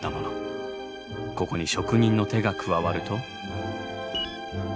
ここに職人の手が加わると。